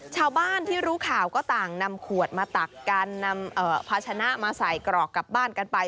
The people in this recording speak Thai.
ชาวบ้านที่รู้ข่าวก็ต่างนำขวดมาตักกันนำพาชนะมาใส่กรอกกลับบ้านกันไป